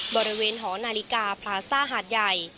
บริเวณหอนาฬิกาพลาซ่าหาดใหญ่